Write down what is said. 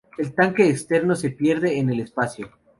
El tanque externo se pierde en el espacio.